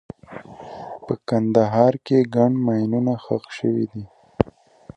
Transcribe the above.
په کندهار کې ګڼ ماینونه ښخ شوي دي.